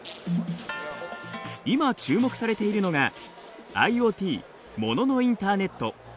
今注目されているのがＩｏＴモノのインターネット。